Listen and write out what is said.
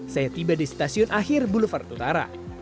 saya tiba di stasiun akhir boulevard utara